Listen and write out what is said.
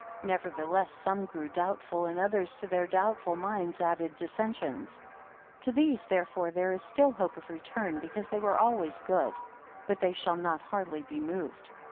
Nevertheless some grew doubtful, and others to their doubtful minds added dissensions. To these therefore there is still hope of return, because they were always good; but they shall not hardly be moved.